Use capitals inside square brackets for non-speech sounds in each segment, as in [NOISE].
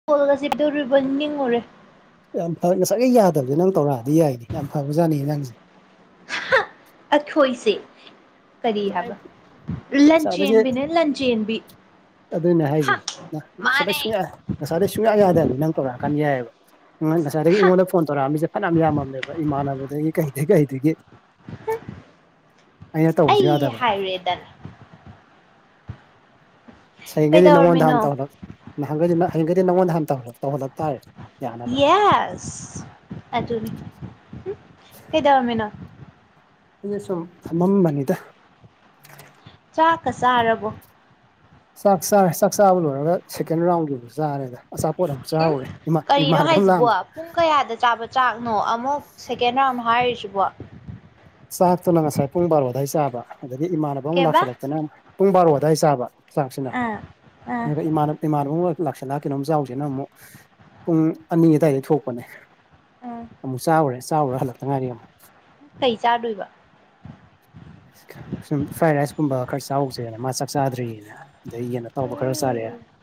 [UNINTELLIGIBLE] ꯁꯤꯗꯣꯔꯤꯕ ꯅꯤꯡꯉꯨꯔꯦ ꯌꯥꯝ ꯐ ꯉꯁꯥꯏꯒꯤ ꯌꯥꯗꯕꯁ ꯅꯪ ꯇꯧꯔꯛꯑꯗꯤ ꯌꯥꯏꯅꯦ ꯌꯥꯝ ꯐꯕꯖꯥꯠꯅꯤ ꯅꯪꯖꯦ ꯑꯩꯈꯣꯏꯁꯦ ꯀꯔꯤ ꯍꯥꯏꯕ ꯉꯁꯥꯏꯗꯒꯤ ꯂꯟꯆꯦꯟꯕꯤꯅꯦ ꯂꯟꯆꯦꯟꯕꯤ ꯑꯗꯨꯅꯦ ꯍꯥꯏꯁꯦ ꯍꯥ ꯉꯁꯗ ꯃꯥꯅꯦ ꯁꯨꯡꯌꯥ ꯉꯁꯥꯏꯗ ꯁꯨꯡꯌꯥ ꯌꯥꯗꯕꯅꯤ ꯅꯪ ꯇꯧꯔꯛꯑꯀꯥꯟꯗ ꯌꯥꯏꯑꯕ ꯉꯁꯥꯏꯗꯒꯤ ꯑꯩꯉꯣꯟꯗ ꯐꯣꯟ ꯇꯧꯔꯛꯑꯝꯃꯤꯁꯦ ꯐꯅꯌꯥꯝ ꯌꯥꯝꯃꯝꯃꯦꯕ ꯏꯃꯥꯟꯅꯕꯗꯒꯤ ꯀꯩꯗꯒꯤ ꯀꯩꯗꯒꯤ ꯑꯩꯅ ꯑꯩ ꯇꯧꯕꯁꯨ ꯌꯥꯗꯕ ꯍꯥꯏꯔꯦꯗꯅ ꯍꯌꯦꯡꯒꯩꯗꯤ ꯅꯉꯣꯟꯗ ꯀꯩꯗꯧꯔꯝꯃꯤꯅꯣ ꯍꯥꯟ ꯇꯧꯍꯜꯂꯛ ꯅꯍꯥꯟꯒꯩꯗꯤ ꯅꯪ ꯍꯌꯦꯡꯒꯗꯤ ꯅꯪꯉꯣꯟꯗ ꯍꯥꯟ ꯇ ꯇꯧꯍꯜꯂꯛ ꯇꯧꯜꯂꯛꯇꯥꯔꯦ ꯌꯦꯁ ꯑꯗꯨ ꯑꯗꯨꯅꯤ ꯍꯨꯝ ꯀꯩꯗꯧꯔꯝꯃꯤꯅꯣ ꯑꯩꯩꯅ ꯁꯨꯝ ꯐꯝꯃꯝꯕꯅꯤꯗ ꯆꯥꯛꯀ ꯆꯥꯔꯕꯣ ꯆꯥꯛ ꯆꯥꯔꯦ ꯆꯥꯛ ꯆꯥꯕ ꯂꯣꯏꯔꯒ ꯁꯦꯀꯦꯟ ꯔꯥꯎꯟꯒꯤꯐꯥꯎ ꯆꯥꯔꯦꯗ ꯑꯆꯥꯄꯣꯠ ꯑꯃ ꯎꯝ ꯆꯥꯎꯔꯦ ꯏꯃꯥ ꯀꯔꯤꯅꯣ ꯏꯃꯥꯟꯅꯕ ꯑꯃ ꯍꯥꯏꯁꯤꯕꯣ ꯂꯥꯛꯑꯝꯗ ꯄꯨꯡ ꯀꯌꯥꯗ ꯆꯥꯕ ꯆꯥꯛꯅꯣ ꯑꯃꯨꯛ ꯁꯦꯀꯦꯟ ꯔꯥꯎꯟ ꯍꯥꯏꯔꯤꯁꯤꯕꯣ ꯆꯥꯛꯇꯨꯅ ꯉꯁꯥꯏ ꯄꯨꯡ ꯕꯥꯔꯣ ꯑꯗꯥꯏ ꯆꯥꯕ ꯑꯗꯒꯤ ꯏꯃꯥꯟꯅꯕ ꯑꯃꯨꯛ ꯀꯩꯕꯥ ꯂꯥꯛꯁꯤꯜꯂꯛꯇꯨꯅꯛ ꯄꯨꯡ ꯕꯥꯔꯣ ꯑꯗꯨꯋꯥꯏ ꯆꯥꯕ ꯆꯥꯛꯁꯤꯅ ꯑꯥ ꯑꯥ ꯑꯗꯨꯒꯥ ꯏꯃꯥꯟꯅ ꯏꯃꯥꯟꯅꯕ ꯑꯃ ꯂꯥꯛꯁꯜꯂꯛ ꯀꯩꯅꯣꯝ ꯆꯥꯎꯁꯤꯅ ꯑꯃꯨꯛ ꯄꯨꯡ ꯑꯅꯤ ꯑꯗꯨꯋꯥꯏꯗꯩ ꯊꯣꯛꯄꯅꯦ ꯑꯥ ꯑꯃꯨꯛ ꯆꯥꯎꯔꯦ ꯆꯥꯎꯔ ꯍꯜꯂꯛꯇ ꯉꯥꯏꯔꯤ ꯑꯃꯨꯛ ꯀꯩ ꯆꯥꯗꯣꯏꯕ ꯁꯨꯝ ꯐ꯭ꯔꯥꯏ ꯔꯥꯏꯁ ꯀꯨꯝꯕ ꯈꯔ ꯆꯥꯎꯁꯦꯅ ꯃꯥ ꯆꯥꯛ ꯆꯥꯗ꯭ꯔꯤꯅ ꯑꯩ ꯌꯦꯟ ꯑꯇꯥꯎꯕ ꯈꯔ ꯆꯥꯔꯑꯦ ꯑꯣꯀꯦ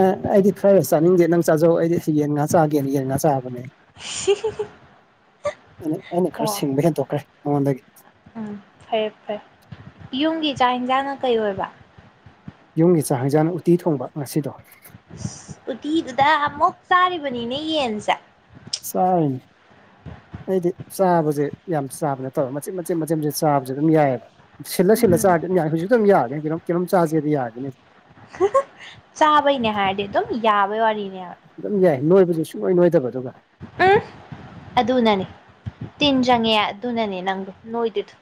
ꯑ ꯑꯩꯗꯤ ꯈꯔ ꯆꯥꯅꯤꯡꯗꯦ ꯅꯪ ꯆꯥꯖꯧ ꯑꯩꯗꯤ ꯌꯦꯟ ꯉꯥ ꯆꯥꯒꯦꯅ ꯌꯦꯟ ꯉꯥ ꯆꯥꯕꯅꯦ ꯑꯩꯅ ꯑꯩꯅ ꯈꯔ ꯑꯣ ꯁꯤꯡꯕ ꯍꯦꯟꯗꯣꯛꯈ꯭ꯔꯦ ꯃꯉꯣꯟꯗꯒꯤ ꯎꯝ ꯐꯔꯦ ꯐꯔꯦ ꯌꯨꯝꯒꯤ ꯆ ꯆꯥꯛ ꯏꯟꯁꯥꯡꯅ ꯀꯩ ꯑꯣꯏꯕ ꯌꯨꯝꯒꯤ ꯆꯥꯛ ꯍꯦꯟꯖꯥꯡꯅ ꯎꯇꯤ ꯊꯣꯡꯕ ꯉꯁꯤꯗꯣ ꯑꯁ ꯎꯇꯤꯗꯨꯗ ꯑꯃꯨꯛ ꯆꯥꯔꯤꯕꯅꯤꯅꯦ ꯌꯦꯟꯁꯦ ꯆꯥꯔꯤꯅꯤ ꯑꯩꯗꯤ ꯆꯥꯕꯁꯦ ꯌꯥꯝ ꯆꯥꯕ ꯅꯠꯇꯕ ꯃꯆꯦꯠ ꯃꯆꯦꯠ ꯃꯆꯦꯠ ꯃꯆꯦꯠ ꯆꯥꯕꯁꯨ ꯑꯗꯨꯝ ꯌꯥꯏꯑꯕ ꯁꯤꯜꯂ ꯁꯤꯜꯂ ꯎꯝ ꯆꯥꯗꯤ ꯗꯨꯝ ꯌꯥꯏ ꯍꯧꯖꯤꯛꯇ ꯑꯗꯨꯝ ꯌꯥꯒꯅꯤ ꯀꯩꯅꯣꯝ ꯀꯩꯅꯣꯝ ꯆꯥꯥꯁꯦꯗꯤ ꯌꯥꯒꯅꯤ ꯍꯥ ꯍꯥ ꯆꯕꯩꯅꯦ ꯍꯥꯏꯔꯗꯤ ꯑꯗꯨꯝ ꯌꯥꯕꯩ ꯋꯥꯔꯤꯅꯦꯕ ꯑꯗꯨꯝ ꯌꯥꯏ ꯅꯣꯏꯕꯁꯨ ꯁꯨꯡꯅꯣꯏ ꯅꯣꯏꯗꯕ ꯑꯗꯨꯒ ꯑꯍ ꯑꯗꯨꯅꯅꯦ ꯇꯤꯟ ꯆꯪꯉꯦ ꯑꯗꯨꯅꯅꯦ ꯅꯪꯗꯣ ꯅꯣꯏꯗ꯭ꯔꯤꯗꯨ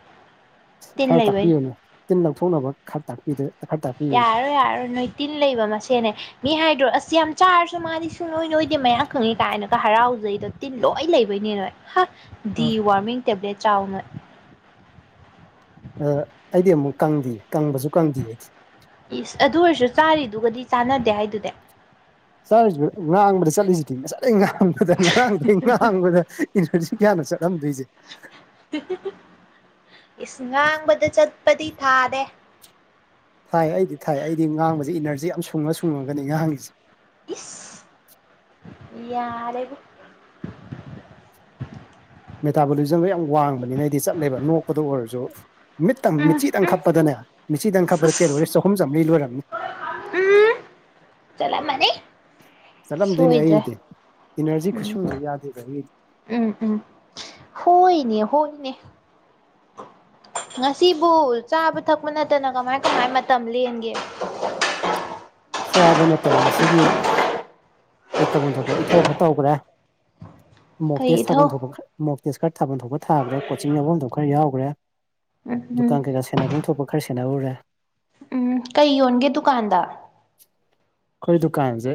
ꯈꯔ ꯇꯥꯛꯄꯤꯌꯨꯅꯦ ꯇꯤꯟ ꯂꯧꯊꯣꯛꯅꯕ ꯈꯔ ꯇꯥꯛꯄꯤꯗ ꯈꯔ ꯇꯥꯛꯄꯤꯌꯨꯅꯦ ꯌꯥꯔꯔꯣꯏ ꯌꯥꯔꯔꯣꯏ ꯅꯣꯏ ꯇꯤꯟ ꯂꯩꯕ ꯃꯁꯦꯟꯅꯦ ꯃꯤ ꯍꯥꯏꯗ꯭ꯔꯣ ꯑꯁ ꯌꯥꯝ ꯆꯥꯔꯁꯨ ꯃꯥꯗꯤ ꯁꯨꯡ ꯅꯣꯏ ꯅꯣꯏꯗꯦ ꯃꯌꯥꯡ ꯀꯪꯉꯤ ꯀꯥꯏꯅꯒ ꯍꯔꯥꯎꯖꯩꯗ‌ ꯇꯤꯟ ꯂꯣꯏ ꯂꯩꯕꯩꯅꯦ ꯅꯣꯏ ꯍꯥ ꯑ ꯗꯤ ꯋꯥꯔꯃꯤꯡ ꯇꯦꯕ꯭ꯂꯦꯠ ꯆꯥꯎ ꯅꯣꯏ ꯑꯩꯗꯤ ꯑꯃꯨꯛ ꯀꯪꯗꯤꯌꯦ ꯀꯪꯕꯁꯨ ꯀꯪꯗꯤꯌꯦ ꯑꯩꯗꯤ ꯏꯁ ꯑꯗꯨ ꯑꯣꯏꯔꯁꯨ ꯆꯥꯔꯤꯗꯨꯒꯗꯤ ꯆꯥꯟꯅꯗꯦ ꯍꯥꯏꯗꯨꯗꯤ ꯆꯥꯔꯤꯁꯤ ꯉꯥꯡꯕꯗ ꯆꯠꯂꯤꯁꯤꯗꯤ ꯉꯁꯥꯢꯗꯩ ꯉꯥꯡꯕꯗ ꯉꯥꯡꯗꯩ ꯉꯥꯡꯕꯗ [UNINTELLIGIBLE] ꯀꯌꯥꯅꯣ ꯆꯠꯂꯝꯗꯣꯏꯁꯦ ꯏꯁ ꯉꯥꯡꯕꯗ ꯆꯠꯄꯗꯤ ꯊꯥꯗꯦ ꯊꯥꯏ ꯑꯩꯗꯤ ꯊꯥꯏ ꯑꯩꯗꯤ ꯉꯥꯡꯕꯁꯤ ꯏꯅꯔꯖꯤ ꯌꯥꯝ ꯁꯨꯡꯉ ꯁꯨꯡꯉꯒꯅꯤ ꯉꯍꯥꯡꯒꯤꯁꯤ ꯏꯁ ꯌꯥꯔꯦꯕꯣ ꯃꯦꯇꯥꯕꯣꯂꯤꯖꯝꯗ ꯌꯥꯝ ꯋꯥꯡꯕꯅꯤꯅ ꯑꯩꯗꯤ ꯆꯠꯂꯦꯕ ꯅꯣꯛꯄꯗ ꯑꯣꯏꯔꯁꯨ ꯃꯤꯠꯇꯪ ꯎꯝ ꯃꯤꯆꯤꯗꯪ ꯎꯝ ꯈꯞꯄꯗꯅꯦ ꯃꯤꯆꯤꯗꯪ ꯈꯞꯄꯗ ꯀꯦꯂꯣꯔꯤ ꯆꯍꯨꯝ ꯆꯥꯝꯃꯔꯤ ꯂꯣꯏꯔꯝꯅꯤ ꯆꯂꯝ ꯃꯅꯤ ꯆꯠꯂꯝꯗꯣꯏꯅꯦ ꯑꯩꯒꯤꯗꯤ ꯏꯅꯔꯖꯤ ꯎꯝ ꯈꯨꯠꯁꯨꯝꯖꯤ ꯌꯥꯗꯦꯕ ꯑꯩꯒꯤꯗꯤ ꯎꯝ ꯎꯝ ꯍꯣꯏꯅꯦ ꯍꯣꯏꯅꯦ ꯉꯁꯤꯕꯨ ꯆꯥꯕ ꯊꯛꯄ ꯅꯠꯇꯅ ꯀꯃꯥꯏ ꯀꯃꯥꯏ ꯃꯇꯝ ꯂꯦꯟꯒꯦ ꯆꯥꯕ ꯅꯠꯇꯅ ꯉꯁꯤꯒꯤ ꯑꯩ ꯇꯧꯐꯝ ꯊꯣꯛꯄ ꯏꯊꯧ ꯈꯔ ꯇꯧꯈ꯭ꯔꯦ ꯀꯩ ꯃꯣꯛꯇꯦꯁ ꯊꯥꯕꯝ ꯏꯊꯧ ꯊꯣꯛꯄ ꯈꯔ ꯃꯣꯛꯇꯦꯁ ꯈꯔ ꯊꯥꯕꯝ ꯊꯣꯛꯄ ꯊꯥ꯭ꯒꯔꯦ ꯀꯣꯆꯤꯡ ꯌꯥꯎꯕꯝ ꯈꯔ ꯌꯥꯎꯒ꯭ꯔꯦ ꯎꯝ ꯎꯝ ꯗꯨꯀꯥꯟ ꯀꯩꯀꯥ ꯁꯦꯟꯅꯐꯝ ꯊꯣꯛꯄ ꯈꯔ ꯁꯦꯟꯅꯧꯔꯦ ꯎꯝ ꯀꯩ ꯌꯣꯟꯒꯦ ꯗꯨꯀꯥꯟꯗ ꯑꯩꯈꯣꯏ ꯗꯨꯀꯥꯟꯁꯦ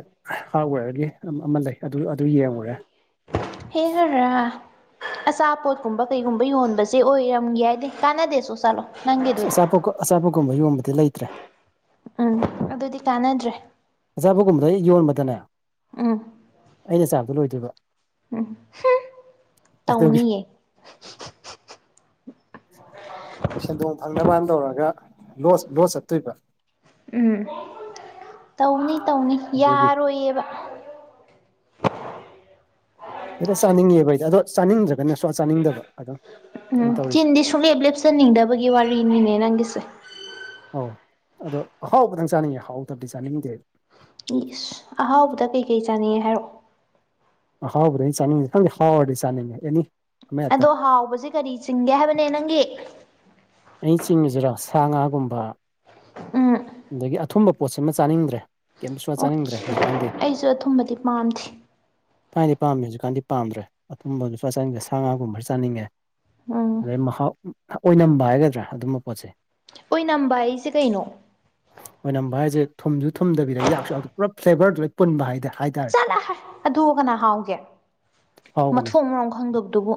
ꯍꯥꯔꯠꯋꯦꯔꯒꯤ ꯑꯃ ꯂꯩ ꯑꯗꯨ ꯑꯗꯨ ꯌꯦꯡꯉꯨꯔꯦ ꯍꯦꯔꯥ ꯔ ꯑꯆꯥꯄꯣꯠꯀꯨꯝꯕ ꯀꯩꯒꯨꯝꯕ ꯌꯣꯟꯕꯁꯦ ꯑꯣꯏꯔꯝꯒꯦ ꯍꯥꯏꯗꯦ ꯀꯥꯟꯅꯗꯦꯁꯨ ꯆꯥꯠꯂꯣ ꯑ ꯑꯆꯥꯄꯣ ꯑꯆꯥꯄꯣꯀꯨꯝꯕ ꯌꯣꯟꯕꯗꯤ ꯂꯩꯇ꯭ꯔꯦ ꯎꯝ ꯑꯗꯨꯗꯤ ꯀꯥꯟꯅꯗ꯭ꯔꯦ꯫ ꯑꯆꯥꯄꯣꯠꯒꯨꯝꯕꯗꯣ ꯑꯩ ꯌꯣꯟꯕꯗꯅꯦ ꯎꯝ ꯑꯩꯅ ꯆꯥꯕꯗ ꯂꯣꯏꯗꯣꯏꯕ ꯎꯝ ꯑꯗꯨꯒꯤ [INAUDIBLE] ꯇꯧꯅꯤꯌꯦ ꯁꯦꯟꯗꯣꯡ ꯐꯪꯅꯕꯅ ꯇꯧꯔꯒ ꯂꯣꯁ ꯂꫭꯁ ꯆꯠꯇꯣꯏꯕ ꯎꯝ ꯇꯧꯅꯤ ꯇꯧꯅꯤ ꯑꯗꯨꯒꯤ ꯌꯥꯔꯣꯏꯌꯦꯕ ꯍꯦꯛꯇ ꯆꯥꯅꯤꯡꯉꯦꯕ ꯑꯩꯗꯤ ꯑꯗꯣ ꯆꯥꯅꯤꯡꯗ꯭ꯔꯒꯅ ꯁꯨꯡꯆꯥ ꯆꯥꯅꯤꯡꯗꯕ ꯑꯗꯨꯝ ꯑꯩꯅ ꯎꯝ ꯇꯧꯔꯤꯖꯦ ꯆꯤꯟꯗꯤ ꯁꯨꯡꯂꯦꯞ ꯂꯦꯞꯆꯅꯤꯡꯗꯕꯒꯤ ꯋꯥꯔꯤꯅꯤꯅꯦ ꯅꯪꯒꯤꯁꯦ ꯑꯧ ꯑꯗꯣ ꯑꯍꯥꯎꯕꯗꯪ ꯆꯥꯅꯤꯡꯉꯦ ꯍꯥꯎꯇꯕꯗꯤ ꯆꯥꯅꯤꯡꯗꯦ ꯏꯁ ꯑꯍꯥꯎꯕꯗ ꯀꯩꯀꯩ ꯆꯥꯅꯤꯡꯉꯦ ꯍꯥꯏꯔꯛꯑꯣ ꯑꯍꯥꯎꯕꯗꯤ ꯑꯩꯅꯥ ꯆꯥꯅꯤꯡꯉꯤꯁꯦ ꯈꯪꯗꯦ ꯍꯥꯎꯔꯗꯤ ꯆꯥꯅꯤꯡꯉꯦ ꯑꯦꯅꯤ ꯑꯃ ꯍꯦꯛꯇ ꯑꯗꯣ ꯍꯥꯎꯁꯦ ꯀꯔꯤ ꯆꯤꯡꯒꯦ ꯍꯥꯏꯕꯅꯦ ꯅꯪꯒꯤ ꯑꯩꯅ ꯆꯤꯡꯉꯤꯁꯤꯔꯣ ꯁꯥ ꯉꯥꯒꯨꯝꯕ ꯎꯝ ꯑꯗꯥꯒꯤ ꯑꯊꯨꯝꯕ ꯄꯣꯠꯁꯤꯃ ꯆꯥꯅꯤꯡꯗ꯭ꯔꯦ ꯀꯩꯝ ꯁꯨꯡꯆꯥ ꯑꯣꯀꯦ ꯆꯥꯅꯤꯡꯗ꯭ꯔꯥ ꯍꯧꯖꯤꯛꯀꯥꯟꯗꯤ ꯑꯩꯁꯨ ꯑꯊꯨꯝꯕꯗꯤ ꯄꯥꯝꯗꯦ ꯊꯥꯏꯅꯗꯤ ꯄꯥꯝꯃꯤ ꯍꯧꯖꯤꯛꯀꯥꯟꯗꯤ ꯄꯥꯝꯗ꯭ꯔꯦ ꯑꯊꯨꯝꯕ ꯁꯨꯡꯆꯥ ꯆꯥꯅꯤꯡꯗ꯭ꯔ ꯁꯥ ꯉꯥꯒꯨꯝꯕ ꯆꯥꯅꯤꯡꯉꯦ ꯎꯝ ꯑꯗꯩꯏ ꯃꯍꯥꯎ ꯑꫭꯏꯅꯥꯝꯕ ꯍꯥꯏꯒꯗꯔ ꯑꯗꯨꯃꯥ ꯄꯣꯠꯁꯦ ꯑꯣꯏ ꯅꯝꯕ ꯍꯥꯏꯁꯦ ꯀꯩꯅꯣ ꯑꯣꯢꯅꯝꯕ ꯍꯏꯖꯦ ꯊꯨꯝꯖꯨ ꯊꯨꯝꯗꯕꯤꯗ ꯌꯥꯛꯁꯨ ꯌꯥꯛꯇ ꯄꯨꯔ ꯐ꯭ꯂꯦꯕꯔꯗꯨ ꯄꯨꯟꯕ ꯍꯥꯏꯗꯦ ꯍꯥꯏꯇꯥꯏ ꯆꯠꯂꯨ ꯍꯥꯏ ꯑꯗꯨꯒ ꯀꯅꯥ ꯍꯥꯎꯒꯦ ꯍꯥꯎꯕꯅꯦ ꯃꯊꯣꯡ ꯃꯔꯝ ꯈꯪꯗꯕꯗꯨꯕꯨ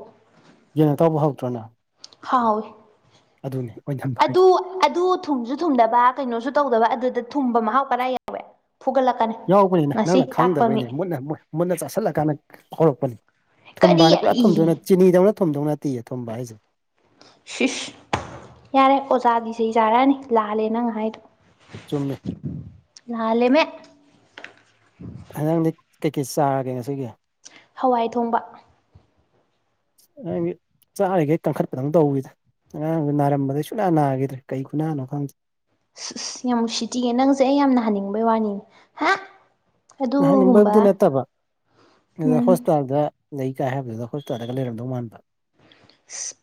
ꯌꯦꯟ ꯑꯇꯧꯕ ꯍꯧꯗ꯭ꯔꯣ ꯅꯪ ꯍꯥꯎꯋꯤꯏ ꯑꯗꯨꯅꯤ ꯑꯣꯏꯅꯥꯝꯕ ꯍꯥꯏꯗꯨ ꯑꯗꯨ ꯊꯨꯝꯖꯨ ꯊꯨꯝꯗꯕ ꯀꯩꯅꯣꯁꯨ ꯇꯧꯗꯕ ꯑꯗꯨꯗ ꯊꯨꯝꯕ ꯃꯍꯥꯎ ꯀꯔꯏ ꯌꯥꯎꯋꯤ ꯐꯨꯒꯠꯂꯛꯀꯅꯤ ꯌꯥꯎꯕꯅꯤꯅ ꯉꯁꯤ ꯅꯪꯅ ꯇꯥꯛꯄ ꯃꯤ ꯈꯪꯗꯕꯩꯅꯦ ꯃꯨꯟꯅ ꯃꯨꯟꯅ ꯆꯥꯁꯤꯜꯂꯀꯥꯟꯗ ꯈꯧꯔꯛꯄꯅꯤ ꯊꯨꯝꯕꯥ ꯀꯔꯤ ꯍꯥꯏꯅ ꯄꯨꯔꯥ ꯏ ꯊꯨꯗꯧ ꯅꯠ ꯆꯤꯅꯤꯗꯧꯅ ꯊꯨꯝꯗꯧ ꯅꯠꯇꯤꯌꯦ ꯊꯨꯝꯕꯥ ꯍꯥꯏꯖꯦ ꯁꯤꯁ ꯌꯥꯔꯦ ꯑꯣꯖꯥꯗꯤ ꯆꯩ ꯆꯥꯔꯛꯑꯅꯤ ꯂꯥꯜꯂꯦ ꯅꯪ ꯍꯥꯏꯗꯣ ꯆꯨꯝꯃꯤ ꯂꯥꯜꯂꯦ ꯃꯦ ꯍꯦꯟꯖꯥꯡꯗꯤ ꯀꯩꯀꯩ ꯆꯥꯔꯒꯦ ꯉꯁꯤꯒꯤ ꯍꯋꯥꯏ ꯊꯣꯡꯕ ꯑꯩꯗꯤ ꯆꯥꯔꯤꯒꯩ ꯀꯟꯈꯠꯄꯗꯧ ꯇꯧꯋꯤꯗ ꯉꯥꯔꯥꯛ ꯅꯥꯔꯝꯕꯗꯩ ꯁꯨꯅꯥ ꯅꯥꯈꯤꯗ꯭ꯔꯦ ꯀꯩ ꯈꯨꯅꯥꯅꯣ ꯈꯪꯗꯦ ꯑꯁ ꯌꯥꯝ ꯅꯨꯡꯁꯤꯇꯤꯉꯦ ꯅꯪꯁꯦ ꯑꯩ ꯌꯥꯝ ꯅꯍꯟꯅꯤꯡꯕꯩ ꯋꯥꯅꯤꯅꯦ ꯍꯥ ꯑꯗꯨꯒꯨꯝꯕ ꯉꯍꯥꯛꯅꯤꯡꯕꯕꯨꯗꯤ ꯅꯠꯇꯕ ꯑꯗꯨꯗ ꯎꯝ ꯍꯣꯁꯄꯤꯇꯥꯜꯗ ꯂꯩ ꯀꯥꯏ ꯍꯥꯏꯕꯗꯨꯗ ꯍꯣꯁꯄꯤꯇꯥꯜꯟꯒ ꯂꯩꯔꯝꯗꯧ ꯃꯥꯟꯕ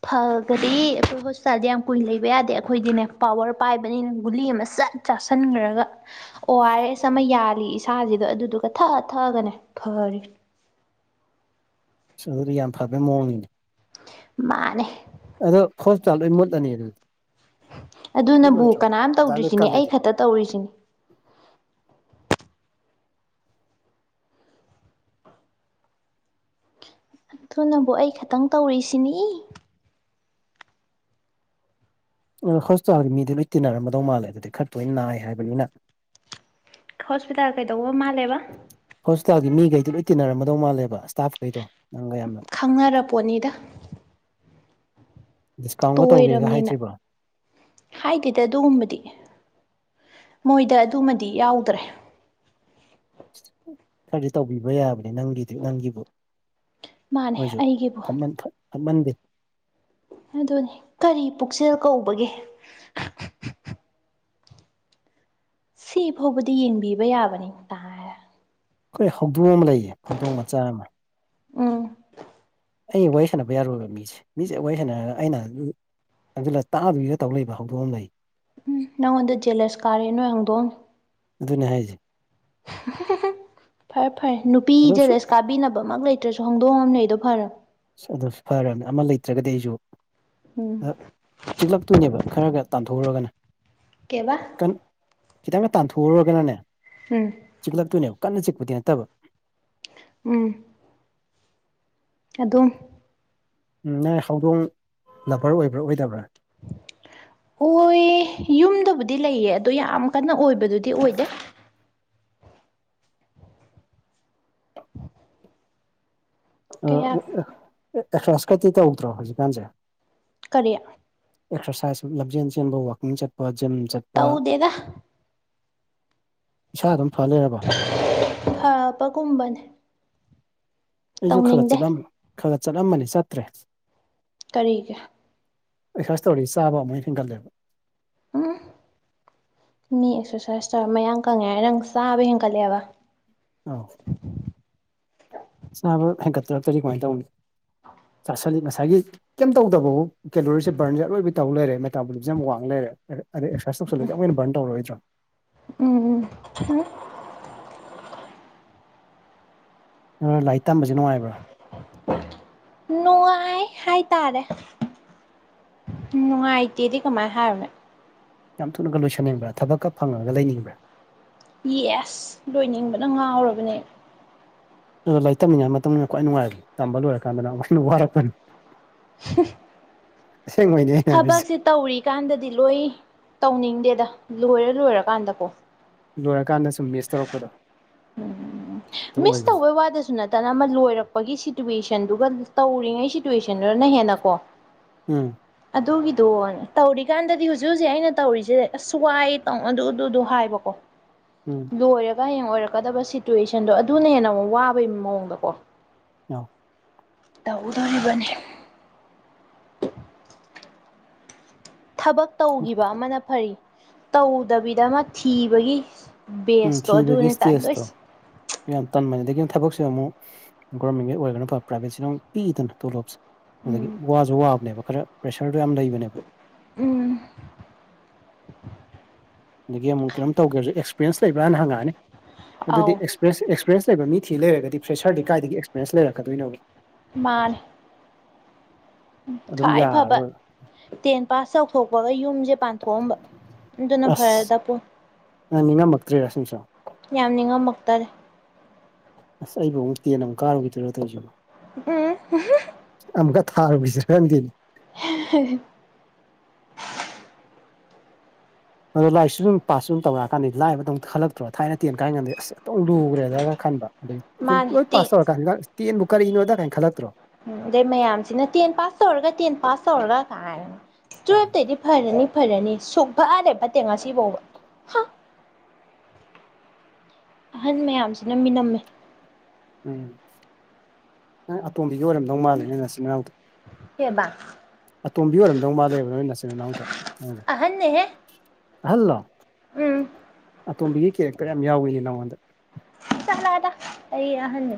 ꯐꯒꯔꯦ ꯑꯩꯈꯣꯏ ꯍꯣꯁꯄꯤꯇꯥꯜꯗ ꯌꯥꯝ ꯀꯨꯏ ꯂꯩꯕ ꯌꯥꯗꯦ ꯑꯩꯈꯣꯏꯗꯤꯅꯦ ꯄꯥꯋꯔ ꯄꯥꯏꯕꯅꯤꯅ ꯒꯨꯂꯤ ꯑꯃ ꯁꯠ ꯆꯥꯁꯟꯒ꯭ꯔꯒ ꯑꯣ ꯑꯥꯔ ꯑꯦꯁ ꯑꯃ ꯌꯥꯜꯂꯤ ꯏꯁꯥꯖꯤꯗ ꯑꯗꯨꯗꯨꯒ ꯊꯛꯑ ꯊꯛꯑꯒꯅꯦ ꯐꯔꯤ ꯑꯁ ꯑꯗꯨꯗꯤ ꯌꯥꯝ ꯐꯕꯩ ꯃꯑꫭꯡꯅꯤꯅꯦ ꯃꯥꯅꯦ ꯑꯗꯣ ꯍꫭꯁꯄꯤꯇꯥꯜ ꯂꯣꯏ ꯃꯨꯠꯂꯅꯤ ꯑꯗꯨꯗꯤ ꯑꯗꯨꯅꯕꯨ ꯃꯨꯠꯂꯣꯏꯗ꯭ꯔꯣ ꯀꯅꯥꯝ ꯑꯗꯥꯏ ꯂꯣꯏ ꯇꯧꯗ꯭ꯔꯤꯁꯤꯅꯦ ꯀꯜꯂꯗꯤ ꯑꯩ ꯈꯛꯇ ꯇꯧꯔꯤꯁꯤꯅꯦ ꯑꯗꯨꯅꯕꯨ ꯑꯩ ꯈꯇꯪ ꯇꯧꯔꯤꯁꯤꯅꯤ ꯍꯣꯁꯄꯤꯇꯥꯜꯒꯤ ꯃꯤꯗꯤ ꯂꯣꯏ ꯇꯤꯟꯅꯔꯝꯃꯗꯧ ꯃꯥꯜꯂꯦ ꯑꯗꯨꯗꯤ ꯈꯔ ꯇꯣꯏꯅ ꯅꯥꯏ ꯍꯥꯏꯕꯅꯤꯅ ꯍꯣꯁꯄꯤꯇꯥꯜ ꯀꯩꯗꯧꯕ ꯃꯥꯜꯂꯦꯕ ꯍꯣꯁꯄꯤꯇꯥꯜꯒꯤ ꯃꯤꯈꯩꯗꯨ ꯂꯣꯏ ꯇꯤꯟꯅꯔꯝꯃꯗꯧ ꯃꯥꯜꯂꯦꯕ ꯏꯁꯇꯥꯐꯈꯩꯗꯣ ꯅꯪꯒ ꯌꯥꯝꯅ ꯈꯪꯅꯔ ꯄꯣꯠꯅꯤꯗ ꯗꯤꯁꯀꯥꯎꯟꯒ ꯇꯧꯒꯦꯒ ꯇꯣꯏꯔꯕꯅꯤꯅ ꯍꯥꯏꯗ꯭ꯔꯤꯕꯣ ꯍꯥꯏꯗꯦꯗ ꯑꯗꯨꯒꯨꯝꯕꯗꯤ ꯃꯣꯏꯗ ꯑꯗꯨꯃꯗꯤ ꯌꯥꯎꯗ꯭ꯔꯦ ꯈꯔꯗꯤ ꯇꯧꯕꯤꯕ ꯌꯥꯕꯅꯦ ꯅꯪꯒꯤꯗꯤ ꯅꯪꯒꯤꯕꯨ ꯃꯥꯅꯦ ꯃꫭꯏꯁꯨ ꯑꯩꯒꯤꯕꯨ ꯐꯠꯃꯟ ꯐꯠ‌ ꯐꯠꯃꯟꯗꯦ ꯑꯗꯨꯅꯤ ꯀꯔꯤ ꯄꯨꯛꯆꯦꯜ ꯀꯧꯕꯒꯦ ꯁꯤ ꯐꯥꯎꯕꯗꯤ ꯌꯦꯡꯕꯤꯕ ꯌꯥꯕꯅꯤ ꯇꯥ ꯈꯣꯏ ꯍꯧꯗꯣꯡ ꯑꯃ ꯂꯩꯌꯦ ꯍꯧꯗꯣꯡ ꯃꯆꯥ ꯑꯃ ꯎꯝ ꯑꯩ ꯋꯥꯔꯤ ꯁꯥꯟꯅꯕ ꯌꯥꯔꯣꯏꯕ ꯃꯤꯁꯦ ꯃꯤꯁꯦ ꯋꯥꯔꯤ ꯁꯥꯟ ꯑꯩꯅ ꯆꯪꯖꯜꯂ ꯇꯥꯗꯣꯢꯗ ꯇꯧ ꯂꯩꯕ ꯍꯧꯗꯣꯛ ꯑꯃ ꯂꯩ꯫ ꯅꯪꯉꯣꯟꯗ ꯖꯦꯂꯦꯁ ꯀꯥꯔꯦ ꯅꯣꯏ ꯍꯪꯗꯣꯡ ꯑꯗꯨꯅꯦ ꯍꯥꯏꯁꯦ [UNINTELLIGIBLE] ꯐꯔꯦ ꯐꯔꯦ ꯅꯨꯄꯤ ꯑꯗꯨꯝ ꯁꯨ ꯖꯦꯂꯦꯁ ꯀꯥꯕꯤꯅꯕꯃꯛ ꯂꯩꯇꯦ ꯂꯩꯇꯔꯁꯨ ꯍꯧꯡꯗꯣꯡ ꯑꯃ ꯂꯩꯩꯗꯣ ꯐꯔꯝꯅꯤ ꯑ ꯑꯗꯨ ꯐꯔꯅꯤ ꯑꯃ ꯂꯩꯇ꯭ꯔꯒꯗꯤ ꯑꯩꯁꯨ ꯎꯝ ꯆꯤꯛꯂꯛꯇꯣꯏꯅꯦꯕ ꯈꯔ ꯈꯔ ꯇꯥꯟꯊꯣꯛꯎꯔꯒꯅ ꯀꯦꯕ ꯈꯤꯇꯪꯒ ꯇꯥꯟꯊꯣꯛꯎꯔꯒꯅꯅꯦ ꯎꯝ ꯆꯤꯛꯂꯛꯇꯣꯏꯅꯦꯕ ꯀꯟꯅ ꯆꯤꯛꯄꯗꯤ ꯅꯠꯇꯕ ꯎꯝ ꯑꯗꯨꯝ ꯅꯪ ꯍꯧꯗꯣꯡ ꯂꯕꯔ ꯑꯣꯏꯕ꯭ꯔꯥ ꯑꯣꯏꯗꯕ꯭ꯔꯥ꯫ ꯑꯣꯏ ꯌꯨꯝꯗꯕꯨꯗꯤ ꯂꯩꯌꯦ ꯑꯗꯣ ꯌꯥꯝ ꯀꯟꯅ ꯑꯣꯏꯕꯗꯨꯗꯤ ꯑꯣꯏꯗꯦ ꯀꯌꯥ ꯑꯦꯛꯁꯥꯢꯁꯀꯗꯤ ꯇꯧꯗ꯭ꯔꯣ ꯍꯧꯖꯤꯛꯀꯥꯟꯁꯦ ꯀꯔꯤ ꯑꯦꯛꯁꯔꯁꯥꯏꯁ ꯂꯝꯖꯦꯟ ꯆꯦꯟꯕ ꯋꯥꯛꯀꯤꯡ ꯆꯠꯄ ꯖꯤꯝ ꯆꯠ ꯇꯧꯗꯦꯗ ꯏꯁꯥ ꯑꯗꯨꯝ ꯐꯂꯩꯔꯕꯣ ꯐꯕꯒꯨꯝꯕꯅꯦ ꯑꯩꯁꯨ ꯈꯔꯒ ꯇꯧꯅꯤꯡꯗꯦ ꯆꯠꯂꯝ ꯈꯔꯒ ꯆꯠꯂꯝꯕꯅꯤ ꯆꯠꯇ꯭ꯔꯦ ꯀꯔꯤꯒꯤ ꯑꯦꯛꯁꯥꯏꯁ ꯇꯧꯔꯗꯤ ꯆꯥꯕ ꯑꯃꯨꯛ ꯍꯦꯟꯒꯠꯂꯦꯕ ꯎꯝ ꯃꯤ ꯑꯦꯛꯁꯔꯁꯥꯏꯁ ꯇꯧꯔ ꯃꯌꯥꯝ ꯀꯪꯉꯦ ꯅꯪ ꯆꯥꯕ ꯍꯦꯟꯒꯠꯂꯦꯕ ꯑꯥ ꯆꯥꯕ ꯍꯦꯟꯒꯠꯇꯔꯛꯇꯔꯗꯤ ꯀꯃꯥꯏꯟ ꯇꯧꯅꯤ ꯆꯁꯤꯜꯂꯤ ꯉꯁꯥꯏꯒꯤ ꯀꯩꯝ ꯇꯧꯗꯕꯕꯨ ꯀꯦꯂꯣꯔꯤꯁꯦ ꯕꯔꯟꯁꯦ ꯑꯔꯣꯏꯕꯤ ꯇꯧ ꯂꯩꯔꯦ ꯃꯦꯇꯥꯕꯣꯂꯤꯖꯝ ꯋꯥꯡꯅ ꯂꯩꯔꯦ꯫ ꯑꯗ ꯁ꯭ꯋꯥꯁꯈꯣꯏ ꯕꯟ ꯇꯔꯣꯏ꯭ꯗꯔꯣ ꯎꯝ ꯎꯝ ꯂꯥꯏꯛ ꯇꯝꯕꯁꯦ ꯅꯨꯡꯉꯥꯏꯕ ꯥꯅꯨꯉꯥꯏ ꯍꯥꯏꯇꯥꯔꯦ ꯅꯨꯡꯉꯥꯏꯇꯦꯗꯤ ꯀꯃꯥꯏ ꯍꯥꯏꯔꯨꯅꯤ ꯌꯥꯝ ꯊꯨꯅꯒ ꯂꯣꯏꯁꯤꯟꯅꯤꯡꯕ꯭ꯔꯥ ꯊꯕꯛꯀ ꯐꯪꯉꯒ ꯂꯩꯅꯤꯡꯕ꯭ꯔꯥ ꯌꯦꯁ ꯂꯣꯏꯅꯤꯡꯕꯅ ꯉꯥꯎꯔꯕꯅꯦ ꯑꯗꯣ ꯂꯩꯇꯝꯃꯤꯉꯩ ꯃꯇꯨꯝꯅ ꯈ꯭ꯋꯥꯏ ꯅꯨꯡꯉꯥꯏꯕ ꯇꯝꯕ ꯂꯣꯏꯔꯀꯥꯟꯗ ꯑꯃꯨꯛ ꯍꯦꯟꯅ ꯋꯥꯔꯛꯄꯅꯤ ꯑꯁꯦꯡꯕꯩꯅꯦ ꯑꯩꯅ ꯍꯥꯏꯔꯤꯁꯦ ꯊꯕꯛꯁꯤ ꯇꯧꯔꯤꯀꯥꯟꯗꯗꯤ ꯂꯣꯏ ꯇꯧꯅꯤꯡꯗꯦꯗ ꯂꯣꯏꯔ ꯂꯣꯏꯔꯀꯥꯟꯗꯀꯣ ꯂꯣꯏꯔꯀꯥꯟꯗ ꯁꯨꯝ ꯌꯦ ꯎꯝ ꯑꯗꯨ ꯃꯤꯁ ꯑꯣꯏꯕꯅꯤ ꯇꯧꯕꯩ ꯋꯥꯗꯁꯨ ꯅꯠꯇꯦ ꯐꯇꯅ ꯑꯃ ꯂꯣꯏꯔꯛꯄꯒꯤ ꯁꯤꯇꯨꯋꯦꯁꯟꯗꯨꯒ ꯇꯧꯔꯤꯉꯩ ꯁꯤꯇꯨꯋꯦꯁꯟꯗꯨꯔꯅ ꯍꯦꯟꯅ ꯀꯣ ꯎꯝ ꯑꯗꯨꯒꯤꯗꯣꯅꯦ ꯇꯧꯔꯤꯀꯥꯟꯗꯗꯤ ꯍꯧꯖꯤꯛ ꯍꯧꯖꯤꯛ ꯑꯩꯅ ꯇꯧꯔꯤꯁꯦ ꯑꯁ ꯋꯥꯏ ꯑꯗꯨꯗꯨꯗꯣ ꯍꯥꯏꯕꯀꯣ ꯎꯝ ꯂꯣꯏꯔꯒ ꯍꯌꯦꯡ ꯑꯣꯏꯔꯛꯀꯗꯕ ꯁꯤꯇꯨꯋꯦꯁꯟꯗꯣ ꯑꯗꯨꯅ ꯍꯦꯟꯅ ꯃꯨꯛ ꯋꯥꯕꯒꯤ ꯃꯑꯣꯡꯗꯀꯣ [INAUDIBLE] ꯇꯧꯗꯣꯔꯤꯕꯅꯤ ꯊꯕꯛ ꯇꯧꯒꯤꯕ ꯑꯃꯅ ꯐꯔꯤ ꯇꯧꯗꯕꯤꯗ ꯑꯃ ꯊꯤꯕꯒꯤ ꯎꯝ ꯕꯦꯁꯇꯣ ꯊꯤꯕꯒꯤ ꯑꯗꯨꯅꯦ ꯁ꯭ꯇꯦꯖꯇꯣ ꯇꯟꯗꯣꯏꯁꯦ ꯌꯥꯝ ꯇꯟꯕꯅꯤ ꯑꯗꯒꯤ ꯊꯕꯛꯁꯤꯅ ꯑꯃꯨꯛ ꯒꯣꯔꯃꯦꯟꯒꯤ ꯑꯣꯏꯒꯅ ꯐꯕ ꯄ꯭ꯔꯥꯏꯕꯦꯠꯁꯤꯅ ꯑꯃꯨꯛ ꯄꯤꯛꯏꯗꯅ ꯇꯣꯂꯣꯞꯁꯦ ꯑꯗꯒꯤ ꯎꯝ ꯋꯥꯁꯨ ꯋꯥꯕꯅꯦꯕ ꯈꯔ ꯄ꯭ꯔꯦꯁꯔꯒꯥ ꯌꯥꯝ ꯂꯩꯕꯅꯦꯕ ꯎꯝ ꯑꯗꯒꯤ ꯑꯃꯨꯛ ꯀꯩꯅꯣꯝ ꯇꯧꯒꯦꯔꯖꯨ ꯑꯦꯛꯁꯄꯤꯔꯦꯟꯁ ꯂꯩꯕ꯭ꯔꯥꯅ ꯍꯪꯉꯛꯑꯅꯤ ꯑꯧ ꯑꯗꯨꯗꯤ ꯑꯦꯛꯁꯄꯤꯔꯦꯟꯁ ꯂꯩꯕ ꯃꯤ ꯊꯤ ꯂꯩꯔꯒꯗꯤ ꯐ꯭ꯔꯦꯁꯔꯗꯤ ꯀꯥꯏꯗꯒꯤ ꯑꯦꯛꯁꯄꯤꯔꯦꯟꯁ ꯂꯩꯔꯛꯀꯗꯣꯏꯅꯣꯕ ꯃꯥꯅꯦ ꯎ ꯑꯗꯨꯝ ꯈ꯭ꯋꯥꯏ ꯐꯕ ꯌꯥꯔꯔꯣꯏ ꯇꯦꯟ ꯄꯥꯁ ꯇꯧꯊꯣꯛꯄꯒ ꯌꯨꯝꯁꯦ ꯄꯥꯟꯊꯣꯛꯑꯝꯕ ꯑꯗꯨꯅ ꯑꯁ ꯐꯔꯗ ꯄꯣꯟ ꯅꯪ ꯅꯤꯡꯉꯝꯃꯛꯇ꯭ꯔꯦꯔ ꯁꯨꯝ ꯁꯨꯝ ꯌꯥꯝ ꯅꯤꯡꯉꯝꯃꯛꯇꯔꯦ ꯑꯁ ꯑꯩꯕꯨ ꯑꯃꯨꯛ ꯇꯦꯟ ꯑꯃꯨꯛ ꯀꯥꯔꯨꯒꯤꯗꯣꯢꯔꯣ ꯇꯣꯢꯖꯤꯕꯨ ꯎꯝ [INAUDIBLE] ꯑꯝꯇꯥ ꯊꯔꯨꯈꯤꯁꯤꯔꯥ ꯈꯪꯗꯦꯅꯦ [INAUDIBLE] ꯑꯗꯣꯥ ꯂꯥꯢꯔꯤꯛꯁꯨ ꯑꯗꯨꯨꯝ ꯄꯥꯁ ꯁꯨꯝ ꯇꯧꯔꯛꯑꯀꯥꯟꯗꯤ ꯂꯥꯏꯕꯗꯧ ꯈꯜꯂꯛꯇ꯭ꯔꯣ ꯊꯥꯏꯅ ꯇꯦꯟ ꯀꯥꯏꯒꯟꯗꯤ ꯑꯁ ꯑꯣꯟꯊꯣꯛ ꯂꯨꯒ꯭ꯔꯦꯗꯒ ꯈꯟꯕ ꯑꯗꯩ ꯁꯨꯝ ꯃꯥꯅꯦ ꯂꯣꯏ ꯇꯦ ꯄꯥꯁ ꯇꯧꯔꯀꯥꯟꯗꯅ ꯇꯦꯟꯕꯨ ꯀꯔꯤꯅꯣꯗ ꯀꯥꯏ ꯈꯜꯂꯛꯇ꯭ꯔꯣ ꯎꯝ ꯑꯗꯩ ꯃꯌꯥꯝꯁꯤꯅ ꯇꯦꯟ ꯄꯥꯁ ꯇꯧꯔꯒ ꯇꯦꯟ ꯄꯥꯁ ꯇꯧꯔꯒ ꯀꯥꯏ ꯇꯨꯋꯦꯜꯇꯩꯗꯤ ꯐꯔꯅꯤ ꯐꯔꯅꯤ ꯁꯨꯛ ꯐꯠ ꯍꯦꯛ ꯐꯠꯇꯦ ꯉꯥꯁꯤꯐꯥꯎꯕ ꯍꯥ ꯑꯍꯟ ꯃꯌꯥꯝꯁꯤꯅ ꯃꯤꯅꯝꯃꯦ ꯎꯝ ꯅꯪ ꯑꯇꯣꯝꯕꯤꯗꯤ ꯑꯣꯏꯔꯝꯗꯧ ꯃꯥꯜꯂꯦ ꯅꯣꯢ ꯅꯆꯤꯟ ꯅꯅꯥꯎꯗ ꯀꯩꯕꯥ ꯑꯇꯣꯝꯕꯤ ꯑꯣꯏꯔꯝꯗꯧ ꯃꯥꯜꯂꯦꯕ ꯅꯣꯏ ꯅꯆꯤꯟ ꯅꯅꯥꯎꯗ ꯅꯪꯖꯦ ꯑꯍꯟꯅꯦꯍꯦ ꯑꯍꯜꯂꯣ ꯎꯝ ꯑꯇꯣꯝꯕꯤꯒꯤ ꯀꯦꯔꯦꯛꯇꯔ ꯌꯥꯝ ꯌꯥꯎꯋꯤꯅꯦ ꯅꯉꯣꯟꯗ ꯆꯂꯗ ꯑꯩ ꯑꯍꯟꯅꯤ